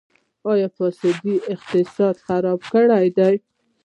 آیا فساد اقتصاد خراب کړی دی؟